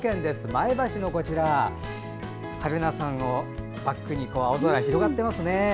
前橋の榛名山をバックに青空、広がっていますね。